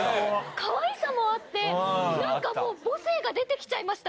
かわいさもあって、なんかもう母性が出てきちゃいました。